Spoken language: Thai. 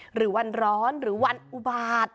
หรือวันร้อนหรือวันอุบาต